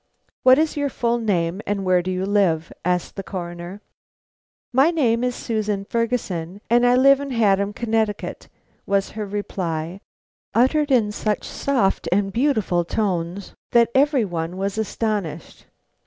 "What is your full name, and where do you live?" asked the Coroner. "My name is Susan Ferguson, and I live in Haddam, Connecticut," was her reply, uttered in such soft and beautiful tones that every one was astonished.